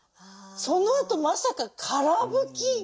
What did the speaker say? そのあとまさかから拭き。